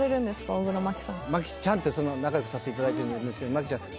大黒摩季さんと摩季ちゃんって仲良くさせていただいてるんですけど「摩季ちゃん